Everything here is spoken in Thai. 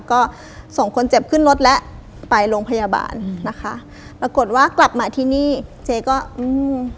ก็ส่งคนเจ็บขึ้นรถแล้วไปโรงพยาบาลนะคะปรากฏว่ากลับมาที่นี่เจ๊ก็อืม